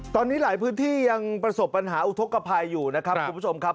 ตอนนี้หลายพื้นที่ยังประสบปัญหาอุทธกภัยอยู่นะครับคุณผู้ชมครับ